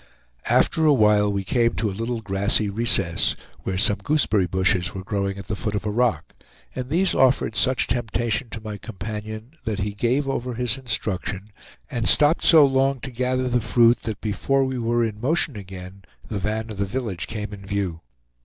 After a while, we came to a little grassy recess, where some gooseberry bushes were growing at the foot of a rock; and these offered such temptation to my companion, that he gave over his instruction, and stopped so long to gather the fruit that before we were in motion again the van of the village came in view.